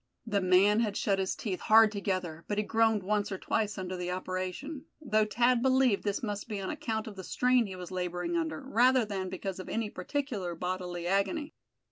The man had shut his teeth hard together, but he groaned once or twice under the operation; though Thad believed this must be on account of the strain he was laboring under, rather than because of any particular bodily agony.